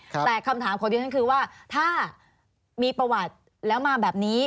แต่คำถามของดิฉันคือว่าถ้ามีประวัติแล้วมาแบบนี้